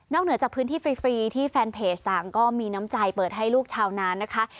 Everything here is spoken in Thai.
เหนือจากพื้นที่ฟรีที่แฟนเพจต่างก็มีน้ำใจเปิดให้ลูกชาวนานนะคะ